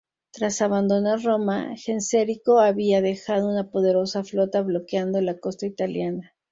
Tras abandonar Roma, Genserico había dejado una poderosa flota bloqueando la costa italiana.